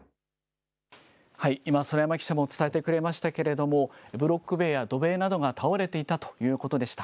今、園山記者も伝えてくれましたけれども、ブロック塀や土塀などが倒れていたということでした。